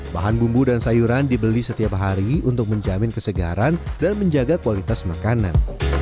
bahan bumbu dan sayuran dibeli setiap hari untuk menjamin kesegaran dan menjaga kualitas makanan